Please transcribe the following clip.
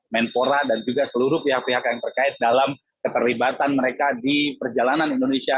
menpora dan juga seluruh pihak pihak yang terkait dalam keterlibatan mereka di perjalanan indonesia